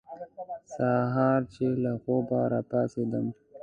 سهار چې له خوبه را پاڅېدم.